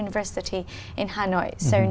vì vậy bây giờ chúng tôi muốn